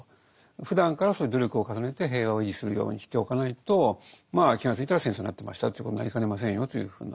ふだんからそういう努力を重ねて平和を維持するようにしておかないとまあ気がついたら戦争になってましたということになりかねませんよというふうな。